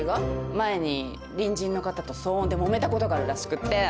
前に隣人の方と騒音でもめたことがあるらしくって。